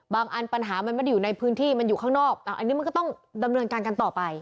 อันปัญหามันไม่ได้อยู่ในพื้นที่มันอยู่ข้างนอกอันนี้มันก็ต้องดำเนินการกันต่อไป